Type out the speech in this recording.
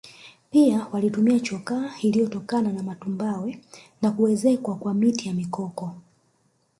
pia walitumia chokaa iliyotokana na matumbawe na kuezekwa kwa miti ya mikoko